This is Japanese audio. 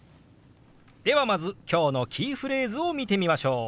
ではまず今日のキーフレーズを見てみましょう。